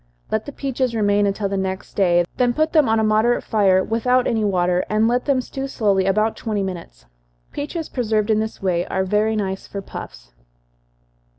Let the peaches remain until the next day then put them on a moderate fire, without any water, and let them stew slowly about twenty minutes. Peaches preserved in this way, are very nice for puffs.